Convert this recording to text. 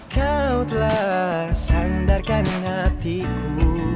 kau telah sandarkan hatiku